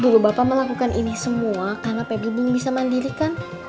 dulu bapak melakukan ini semua karena pebli belum bisa mandiri kan